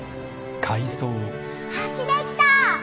橋できた